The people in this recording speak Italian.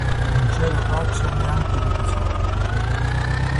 Non c'era traccia neanche di tesori.